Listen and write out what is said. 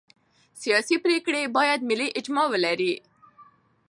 سیاسي پرېکړې باید ملي اجماع ولري